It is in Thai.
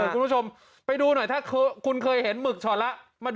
ครั้งแรกของในเลย